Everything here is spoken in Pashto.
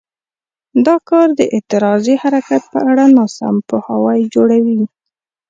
دا کار د اعتراضي حرکت په اړه ناسم پوهاوی جوړوي.